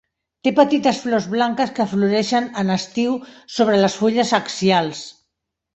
Té petites flors blanques que floreixen en estiu sobre les fulles axials.